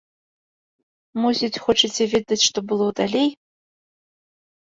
Мусіць, хочаце ведаць, што было далей?